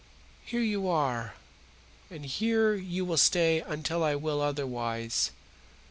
Here you are, and here you will stay until I will otherwise.